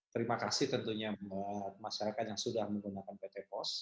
terima kasih tentunya masyarakat yang sudah menggunakan pt pos